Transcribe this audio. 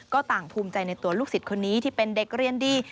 ก็ต่างภูมิใจในตัวลูกศิษย์คนนี้ที่เป็นเด็กเรียนดี